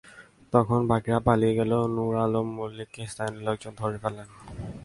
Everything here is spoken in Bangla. তখন বাকিরা পালিয়ে গেলেও নূর আলম মল্লিককে স্থানীয় লোকজন ধরে ফেলেন।